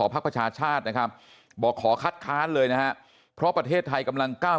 นะครับบอกขอคัดค้านเลยนะฮะเพราะประเทศไทยกำลังก้าว